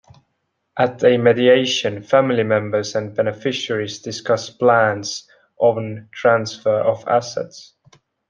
At a mediation, family members and beneficiaries discuss plans on transfer of assets.